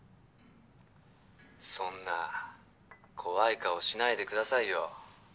そんな怖い顔しないでくださいよ